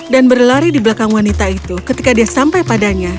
dan berlari di belakang wanita itu ketika dia sampai padanya